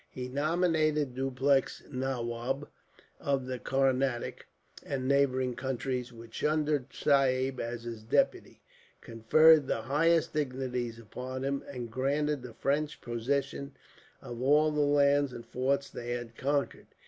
He nominated Dupleix Nawab of the Carnatic and neighbouring countries, with Chunda Sahib as his deputy, conferred the highest dignities upon him, and granted the French possession of all the lands and forts they had conquered.